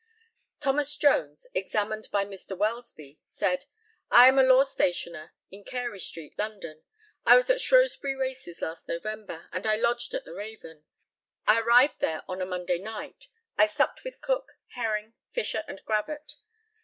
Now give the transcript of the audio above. Thomas Jones, examined by Mr. WELSBY, said: I am a law stationer in Carey street, London. I was at Shrewsbury races last November, and I lodged at the Raven. I arrived there on a Monday night. I supped with Cook, Herring, Fisher and Gravatt.